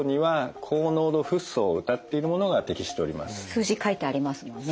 数字書いてありますもんね。